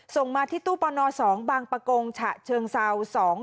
ส่งมาที่ตู้ปอน๒บางปะโกงฉะเชิงเซา๒๔๑๓๐